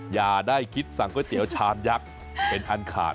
อย่าได้คิดสั่งก๋วยเตี๋ยวชามยักษ์เป็นอันขาด